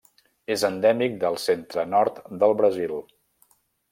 És endèmic del centre-nord del Brasil.